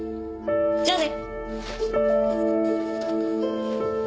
じゃあね！